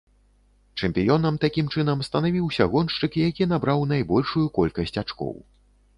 Чэмпіёнам, такім чынам, станавіўся гоншчык, які набраў найбольшую колькасць ачкоў.